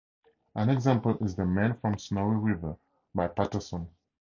An example is "The Man from Snowy River" by Paterson.